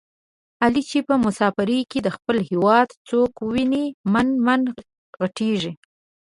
علي چې په مسافرۍ کې د خپل هېواد څوک وویني من من ِغټېږي.